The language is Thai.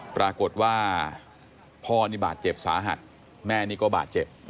ปรากฏว่าพ่อนี่บาดเจ็บสาหัสแม่นี่ก็บาดเจ็บ